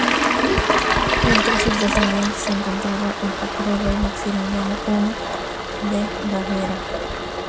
Entre sus descendientes se encontraba el futuro rey Maximiliano I de Baviera.